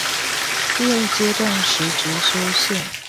第二階段實質修憲